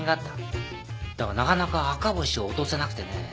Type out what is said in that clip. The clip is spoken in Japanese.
だがなかなか赤星を落とせなくてね。